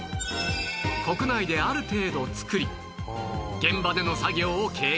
国内である程度つくり現場での作業を軽減